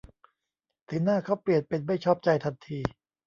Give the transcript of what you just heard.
สีหน้าเค้าเปลี่ยนเป็นไม่ชอบใจทันที